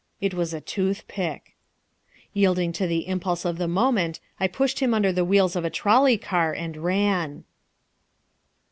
It was a toothpick. Yielding to the impulse of the moment I pushed him under the wheels of a trolley car, and ran.